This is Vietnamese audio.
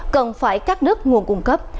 cần phải cắt đứt nguồn cung cấp